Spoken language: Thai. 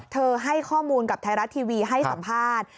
ให้ข้อมูลกับไทยรัฐทีวีให้สัมภาษณ์